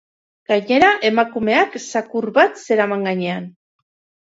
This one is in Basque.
Gainera, emakumeak zakur bat zeraman gainean.